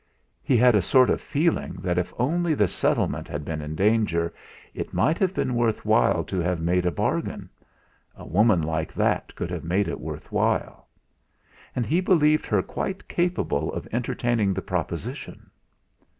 He had a sort of feeling that if only the settlement had been in danger, it might have been worth while to have made a bargain a woman like that could have made it worth while! And he believed her quite capable of entertaining the proposition!